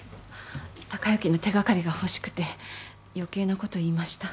貴之の手掛かりが欲しくて余計なこと言いました。